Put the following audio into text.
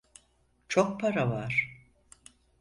Çok para var.